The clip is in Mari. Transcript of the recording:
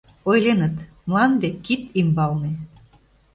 Ойленыт: «Мланде — кит ӱмбалне».